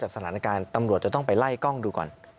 สถานการณ์ตำรวจจะต้องไปไล่กล้องดูก่อน